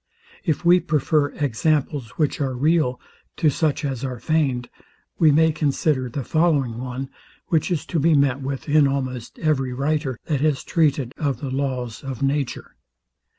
If we prefer examples, which are real, to such as are feigned, we may consider the following one, which is to be met with in almost every writer, that has treated of the laws of nature.